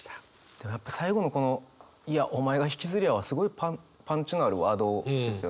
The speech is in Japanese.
でもやっぱ最後のこの「いや、おまえが引き摺れや！」はすごいパンチのあるワードですよね。